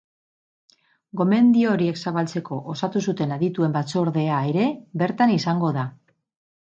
Gomendio horiek zabaltzeko osatu zuten adituen batzordea ere bertan izango da.